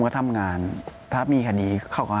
ก็คลิปออกมาแบบนี้เลยว่ามีอาวุธปืนแน่นอน